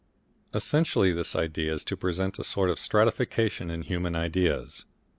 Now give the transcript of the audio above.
Essentially this idea is to present a sort of stratification in human ideas.